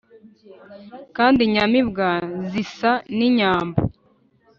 kandi inyamibwa zisa n’inyambo